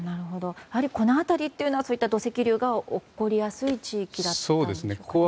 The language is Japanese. やはりこの辺りはそういった土石流が起こりやすい地域だったんでしょうか。